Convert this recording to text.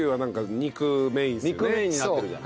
肉メインになってるじゃん。